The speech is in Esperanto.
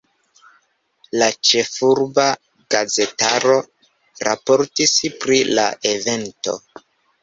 La ĉefurba gazetaro raportis pri la evento.